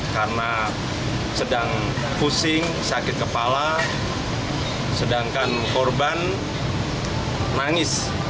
karena sedang pusing sakit kepala sedangkan korban nangis